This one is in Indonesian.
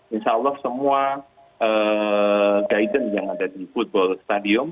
insya allah semua guidance yang ada di football stadium